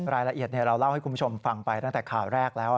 รายละเอียดเราเล่าให้คุณผู้ชมฟังไปตั้งแต่ข่าวแรกแล้ว